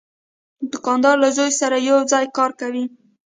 دوکاندار له زوی سره یو ځای کار کوي.